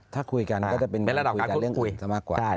ถ้าคุยกันก็จะเป็นเรื่องอื่นจะมากกว่า